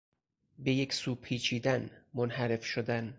به یک سو پیچیدن، منحرف شدن